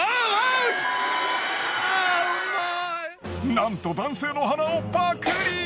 なんと男性の鼻をパクリ！